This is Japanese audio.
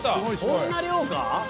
こんな量か？